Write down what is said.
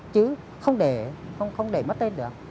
chứ không để không để mất tên được